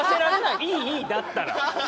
いいいいだったら。